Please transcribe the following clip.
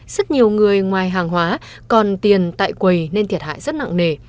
rất nhiều người ngoài hàng hóa còn tiền tại quầy nên thiệt hại rất nặng nề